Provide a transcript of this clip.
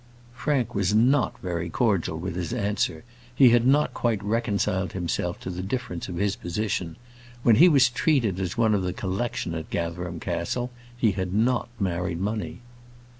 Frank was not very cordial with his answer. He had not quite reconciled himself to the difference of his position. When he was treated as one of the "collection" at Gatherum Castle, he had not married money.